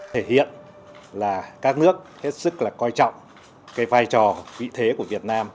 thể hiện là các nước hết sức là coi trọng cái vai trò vị thế của việt nam